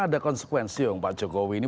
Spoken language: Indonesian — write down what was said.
ada konsekuensi pak jokowi ini